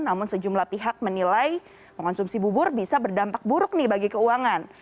namun sejumlah pihak menilai mengonsumsi bubur bisa berdampak buruk nih bagi keuangan